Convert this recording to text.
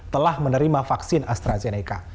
telah menerima vaksin astrazeneca